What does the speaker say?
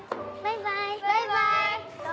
バイバイ。